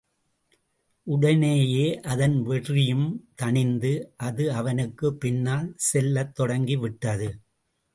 உடனேயே அதன் வெறியும் தணிந்து, அது அவனுக்குப் பின்னால் செல்லத் தொடங்கிவிட்டது.